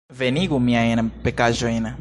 Venigu miajn pakaĵojn.